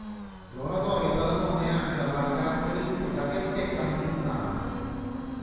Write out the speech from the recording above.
L'oratorio dà il nome anche alla caratteristica piazzetta antistante.